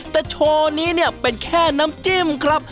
แต่โชว์นี้เนี่ยเป็นแค่น้ำจิ้มครับ